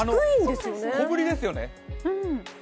小ぶりですよね。